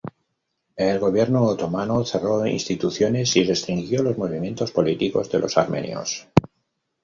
El gobierno otomano cerró instituciones y restringió los movimientos políticos de los armenios.